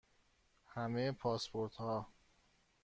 همه پاسپورت ها